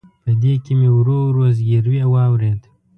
په دې کې مې ورو ورو زګیروي واورېد.